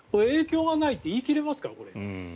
影響がないって言い切れますか？